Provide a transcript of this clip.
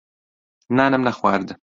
نانم نەخوارد.